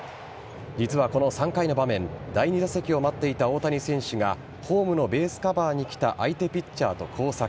実はこの３回の場面、第２打席を待っていた大谷選手が、ホームのベースカバーに来た相手ピッチャーと交錯。